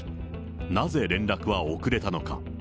なぜ連絡は遅れたのか。